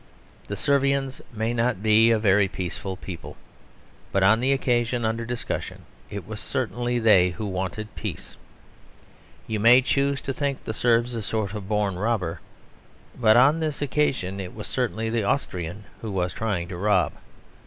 The Servians may not be a very peaceful people; but, on the occasion under discussion, it was certainly they who wanted peace. You may choose to think the Serb a sort of born robber: but on this occasion it was certainly the Austrian who was trying to rob.